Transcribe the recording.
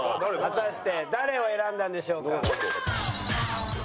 果たして誰を選んだんでしょうか？